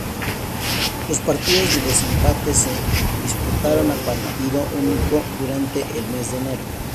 Los partidos de desempate se disputaron a partido único, durante el mes de Enero.